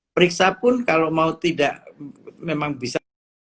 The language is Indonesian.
periksa pun kalau mau tidak memang bisa